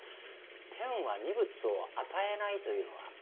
天は二物を与えないというのはあれは嘘だね。